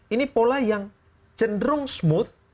ini pola yang cenderung smooth